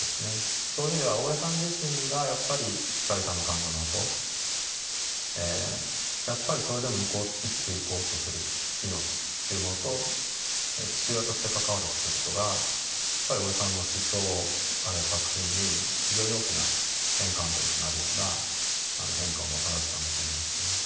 そういう意味では大江さん自身がやっぱり光さんの誕生のあとやっぱりそれでも生きていこうとする命っていうものと父親として関わるってことがやっぱり大江さんの思想あるいは作品に非常に大きな転換点となるような変化をもたらしたんだと思うんですね。